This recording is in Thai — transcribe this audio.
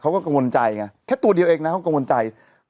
กังวลใจไงแค่ตัวเดียวเองนะเขากังวลใจ